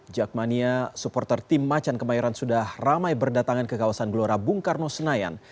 jakmania supporter tim macan kemayoran sudah ramai berdatangan ke kawasan gelora bung karno senayan